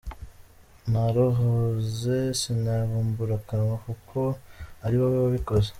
Narahoze sinabumbura akanwa, Kuko ari wowe wabikoze.